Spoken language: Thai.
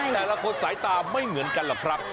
แต่ละคนสายตาไม่เหมือนกันหรอกครับ